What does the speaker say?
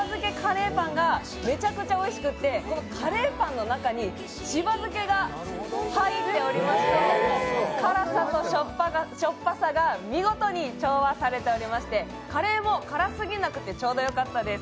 めちゃくちゃおいしくてカレーパンの中にしば漬けが入っておりまして辛さとしょっぱさが見事に調和されておりまして、カレーも辛すぎなくてちょうどよかったです。